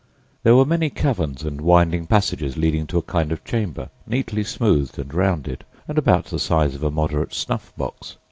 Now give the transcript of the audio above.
There were many caverns and winding passages leading to a kind of chamber, neatly smoothed and rounded, and about the size of a moderate snuff box.